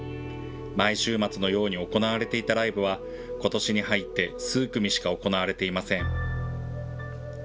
毎週末のように行われていたライブはことしに入って数組しか行われていません。